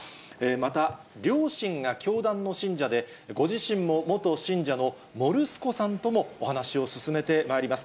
また、両親が教団の信者で、ご自身も元信者の、もるすこさんともお話を進めてまいります。